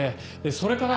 それから。